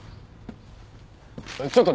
ちょっと！